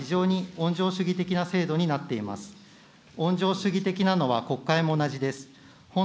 温情主義的なのは国会も同じです。